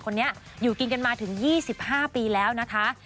คนนี้อยู่กินกันมาถึง๒๕ปีแล้วนะคะ